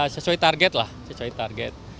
sesuai target lah sesuai target